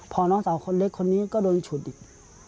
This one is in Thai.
พอน้องสาวคนเล็กคนนี้ก็โดนฉุดอีก